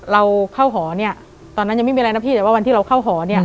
เราเข้าหอเนี่ยตอนนั้นยังไม่มีอะไรนะพี่แต่ว่าวันที่เราเข้าหอเนี่ย